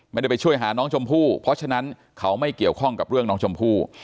ไม่ได้ไปช่วยหาน้องชมพู่เพราะฉะนั้นเขาไม่เกี่ยวข้องกับเรื่องน้องชมพู่